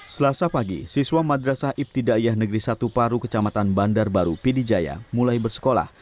selasa pagi siswa madrasah ibtidaiyah negeri satu paru kecamatan bandar baru pidijaya mulai bersekolah